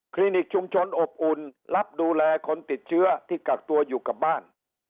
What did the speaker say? ลินิกชุมชนอบอุ่นรับดูแลคนติดเชื้อที่กักตัวอยู่กับบ้าน